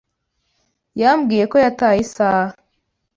Yambwiye ko yataye isaha.